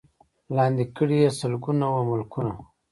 لاندي کړي یې سلګونه وه ملکونه